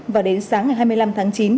và đến sáng ngày hai mươi năm tháng chín